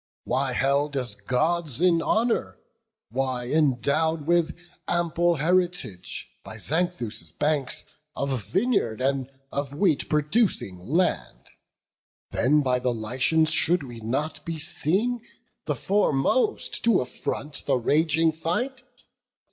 Why held as Gods in honour? why endow'd With ample heritage, by Xanthus' banks, Of vineyard, and of wheat producing land? Then by the Lycians should we not be seen The foremost to affront the raging fight?